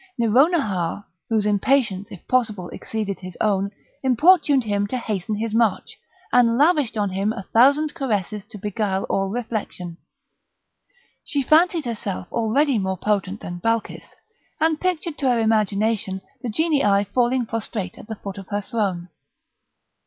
Nouronihar, whose impatience, if possible, exceeded his own, importuned him to hasten his march, and lavished on him a thousand caresses to beguile all reflection; she fancied herself already more potent than Balkis, and pictured to her imagination the Genii falling prostrate at the foot of her throne.